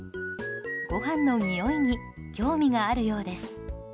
ごはんのにおいに興味があるようです。